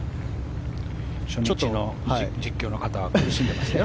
初日の実況の方は苦しんでましたよ。